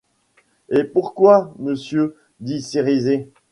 Et pourquoi, monsieur? dit Cérizet.